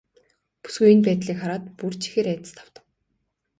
Бүсгүй энэ байдлыг хараад бүр ч ихээр айдаст автав.